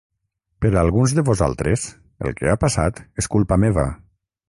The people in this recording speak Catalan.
Per a alguns de vosaltres, el que ha passat és culpa meva.